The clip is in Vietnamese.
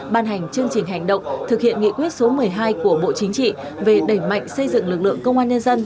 ban hành chương trình hành động thực hiện nghị quyết số một mươi hai của bộ chính trị về đẩy mạnh xây dựng lực lượng công an nhân dân